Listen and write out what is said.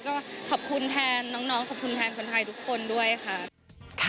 ก็ขอบคุณแทนน้องขอบคุณแทนคนไทยทุกคนด้วยค่ะ